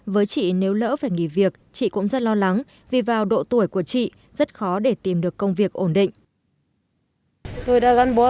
với chị nếu lỡ phải nghỉ việc chị cũng rất lo lắng vì vào độ tuổi của chị rất khó để tìm được công việc ổn định